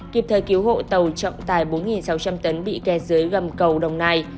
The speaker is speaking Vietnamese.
kịp thời cứu hộ tàu trọng tài bốn sáu trăm linh tấn bị kè dưới gầm cầu đồng nai